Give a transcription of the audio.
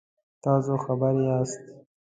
تاسو خبر یاست؟